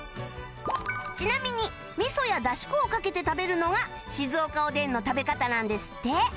ちなみに味噌やダシ粉をかけて食べるのが静岡おでんの食べ方なんですって